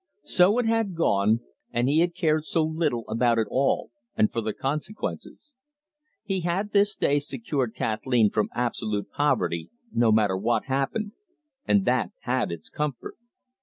So it had gone, and he had cared so little about it all, and for the consequences. He had this day secured Kathleen from absolute poverty, no matter what happened, and that had its comfort.